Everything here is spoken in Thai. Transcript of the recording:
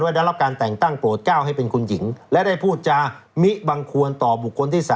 ได้รับการแต่งตั้งโปรดก้าวให้เป็นคุณหญิงและได้พูดจามิบังควรต่อบุคคลที่๓